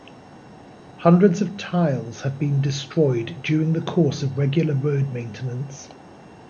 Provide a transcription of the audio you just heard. Hundreds of tiles have been destroyed during the course of regular road maintenance.